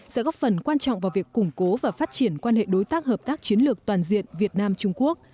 sẽ góp phần quan trọng vào việc củng cố và phát triển quan hệ đối tác hợp tác chiến lược toàn diện việt nam trung quốc